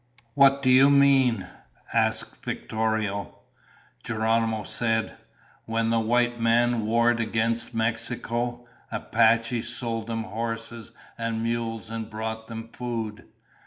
"What do you mean?" asked Victorio. Geronimo said, "When the white men warred against Mexico, Apaches sold them horses and mules and brought them food.